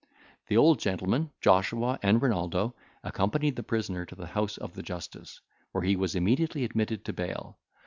The old gentleman, Joshua, and Renaldo accompanied the prisoner to the house of the justice, where he was immediately admitted to bail.